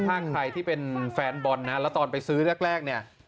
ถ้าใครที่เป็นแฟนบอลนะแล้วตอนไปซื้อแรกเนี่ย